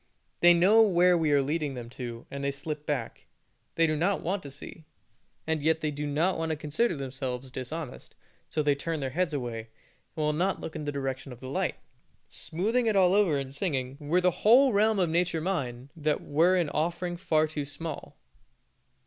They know where we are leading them to, and they slip back; they do not want to see, and yet they do not want to consider themselves dishonest, so they turn their heads away, and will not look in the direction of the light, smoothing it all over and singing "Were the whole realm of nature mine, That were an off'ring far too small," &c.